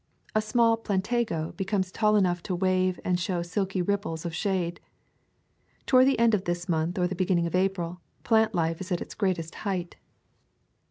A small plantago becomes tall enough to wave and show silky ripples of shade. Toward the end of this month or the beginning of April, plant life is at its greatest height.